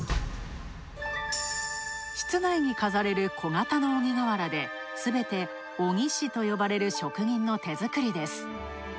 室内に飾れる小型の鬼瓦ですべて鬼師と呼ばれる職人の手作りです。